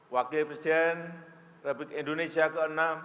wakil presiden republik indonesia ke enam